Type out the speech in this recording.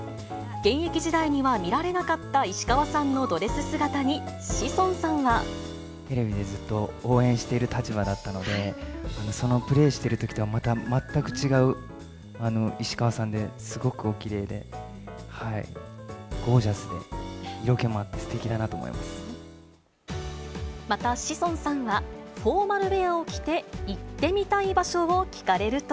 現役時代には見られなかった石川さんのドレス姿に志尊さんは。テレビでずっと応援している立場だったので、そのプレーしてるときとはまた全く違う石川さんで、すごくおきれいで、はい、ゴージャスで、色気もあってすてきだなと思いままた、志尊さんはフォーマルウエアを着て行ってみたい場所を聞かれると。